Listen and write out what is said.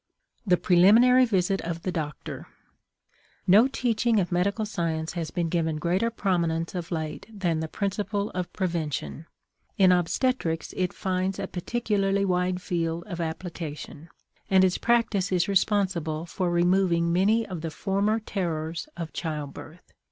THE PRELIMINARY VISIT OF THE DOCTOR. No teaching of medical science has been given greater prominence of late than the principle of prevention. In obstetrics it finds a particularly wide field of application, and its practice is responsible for removing many of the former terrors of childbirth.